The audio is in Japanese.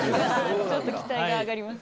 ちょっと期待が上がります。